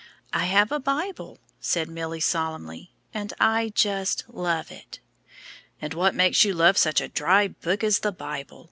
"I have a Bible," said Milly, solemnly, "and I just love it." "And what makes you love such a dry book as the Bible?